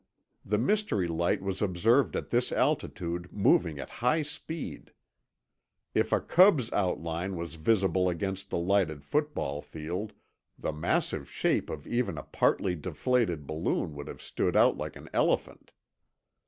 The mystery light was observed at this altitude moving at high speed. If a Cub's outline was visible against the lighted football field, the massive shape of even a partly deflated balloon would have stood out like an elephant.